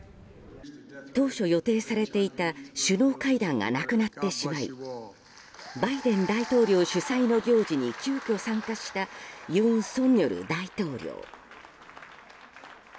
当初、予定されていた首脳会談がなくなってしまいバイデン大統領主催の行事に急きょ参加した尹錫悦大統領。